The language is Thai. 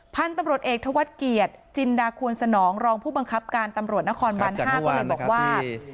พันธุ์ตำรวจเอกธวัฒน์เกียรติจินดาควรสนองรองผู้บังคับการตำรวจนครบัน๕ก็เลยบอกว่า